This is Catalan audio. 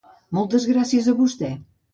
Moltes gracies a vostè.